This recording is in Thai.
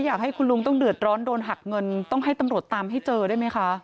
อยากให้คุณลุงต้องเดือดร้อนโดนหักเงินต้องให้ตำรวจตามให้เจอได้ไหมคะ